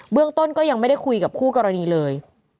เรื่องต้นก็ยังไม่ได้คุยกับคู่กรณีเลย